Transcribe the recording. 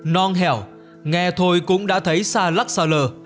nong hẻo nghe thôi cũng đã thấy xa lắc xa lờ